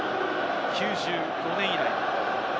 ９５年以来。